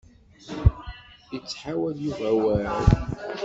Ittḥawal Yuba awal.